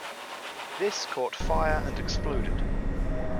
This caught fire and exploded.